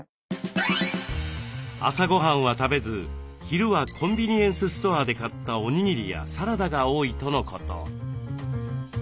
朝ごはんは食べず昼はコンビニエンスストアで買ったおにぎりやサラダが多いとのこと。